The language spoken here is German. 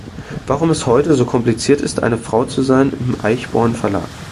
Warum es heute so kompliziert ist, eine Frau zu sein" im Eichborn Verlag.